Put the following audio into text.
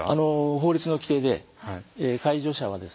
法律の規定で介助者はですね